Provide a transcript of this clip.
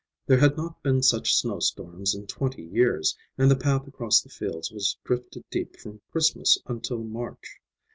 There had not been such snowstorms in twenty years, and the path across the fields was drifted deep from Christmas until March.